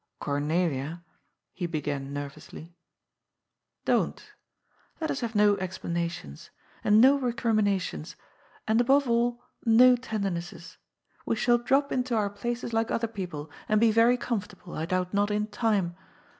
" Cornelia " he began nervously. " Don't. Let us have no explanations. And no reorim 248 GOD'S POOL. inations. And, aboye, all no tendernesses. We shaQ drop into our places like other people, and be yery comfortable, I donbt not, in time.